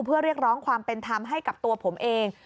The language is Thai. เพื่อเรียกร้องความเป็นธรรมให้กับตัวผมเอง